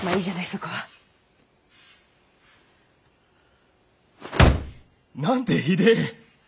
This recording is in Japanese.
そこは。なんてひでえ！